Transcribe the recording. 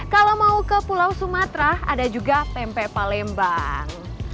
kalau mau ke pulau sumatera ada juga tempe palembang